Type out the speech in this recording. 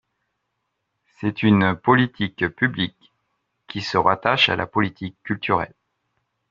C’est une politique publique, qui se rattache à la politique culturelle.